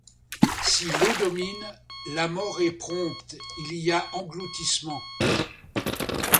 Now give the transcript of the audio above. Si l'eau domine, la mort est prompte, il y a engloutissement.